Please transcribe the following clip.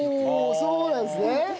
おおそうなんですね！